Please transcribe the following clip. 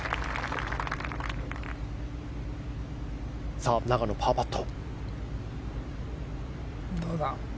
さあ、永野パーパット。